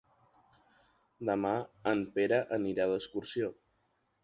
Demà en Pere anirà d'excursió.